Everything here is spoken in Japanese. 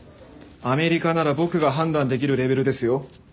アメリカなら僕が判断できるレベルですよ。